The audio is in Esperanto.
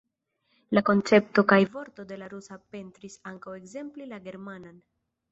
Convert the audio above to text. La koncepto kaj vorto de la rusa penetris ankaŭ ekzemple la germanan.